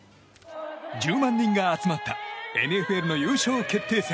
１０万人が集まったＮＦＬの優勝決定